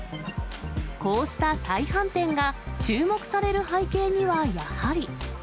こうした再販店が注目される背景にはやはり。